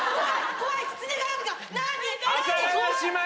怖い！